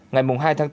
ngày hai tháng bốn